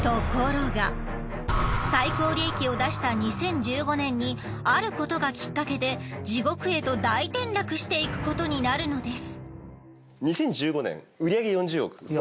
最高利益を出した２０１５年にあることがきっかけで地獄へと大転落していくことになるのです。